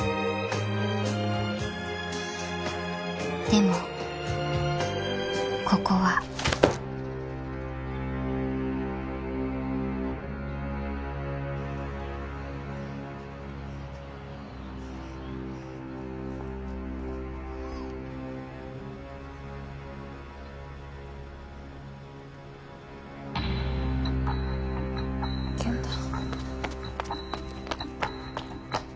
［でもここは］健太？